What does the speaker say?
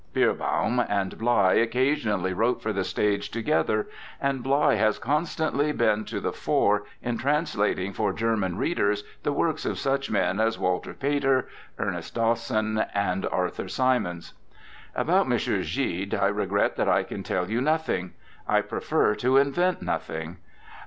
Bierbaum and 22 INTRODUCTION Blei occasionally wrote for the stage to gether, and Blei has constantly been to the fore in translating for German readers the works of such men as Walter Pater, Ernest Dowson, and Arthur Symons. About M. Gide I regret that I can tell you nothing; I prefer to invent nothing.